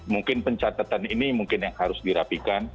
mungkin pencatatan ini mungkin yang harus dirapikan